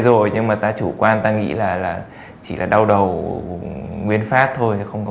rồi nhưng mà ta chủ quan ta nghĩ là chỉ là đau đầu nguyên phát thôi không có